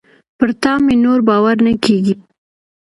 پر تا مي نور باور نه کېږي .